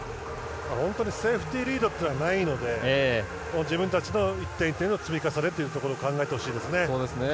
本当にセーフティーリードというのはないので自分たちの１点１点の積み重ねというところを考えてほしいですね。